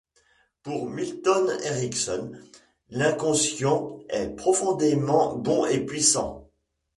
Pour Milton Erickson, l'inconscient est profondément bon et puissant.